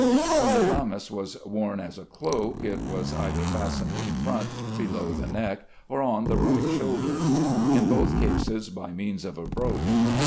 When the chlamys was worn as a cloak, it was either fastened in front below the neck or on the right shoulder; in both cases by means of a brooch.